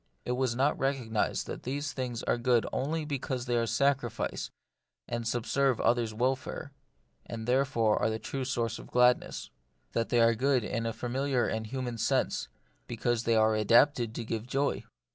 It was not recognised that these things are good only because they are sacrifice, and subserve others* welfare, and are therefore the true source of gladness ; that they are good in a familiar and human sense, because they are adapted to give joy.